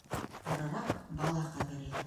Арыраҡ — бала ҡәбере.